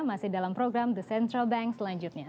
masih dalam program the central bank selanjutnya